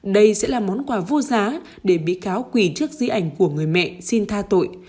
đây sẽ là món quà vô giá để bị cáo quỳ trước di ảnh của người mẹ xin tha tội